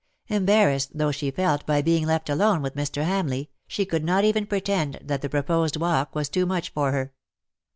Embarrassed though she felt by being left alone with Mr. Hamleigh, she could not even pretend that the proposed walk was too much for her.